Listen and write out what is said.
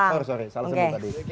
sorr sorry salah sebut tadi